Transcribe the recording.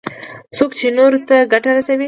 څوک چې نورو ته ګټه رسوي.